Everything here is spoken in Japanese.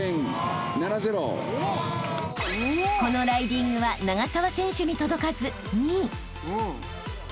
［このライディングは長沢選手に届かず２位］